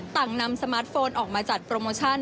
ต่างนำสมาร์ทโฟนออกมาจัดโปรโมชั่น